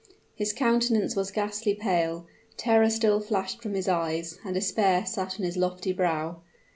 His countenance was ghastly pale; terror still flashed from his eyes, and despair sat on his lofty brow.